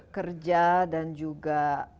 kerja dan juga